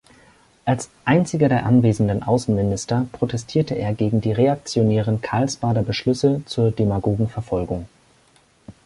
Als einziger der anwesenden Außenminister protestierte er gegen die reaktionären Karlsbader Beschlüsse zur Demagogenverfolgung.